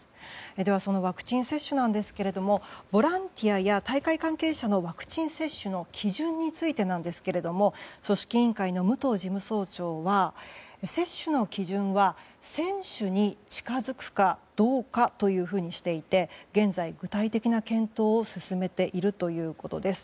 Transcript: では、そのワクチン接種ですがボランティアや大会関係者のワクチン接種の基準についてですが組織委員会の武藤事務総長は接種の基準は選手に近づくかどうかというふうにしていて現在、具体的な検討を進めているということです。